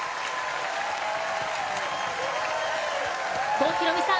郷ひろみさん